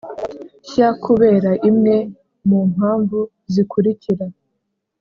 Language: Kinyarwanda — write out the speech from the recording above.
Nshya kubera imwe mu mpamvu zikurikira